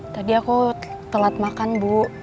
tadi aku telat makan bu